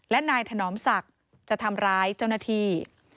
และนายถนอมศักดิ์จะทำร้ายเจ้าหน้าที่